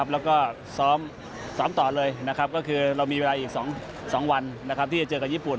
แล้วก็ซ้อมต่อเลยก็คือเรามีเวลาอีก๒วันที่จะเจอกับญี่ปุ่น